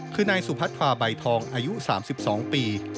คือนายสุพัทธาใบทองอายุ๓๒ปี